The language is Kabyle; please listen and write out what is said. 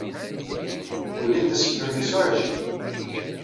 Ulint aseklu-nni s uɛijel.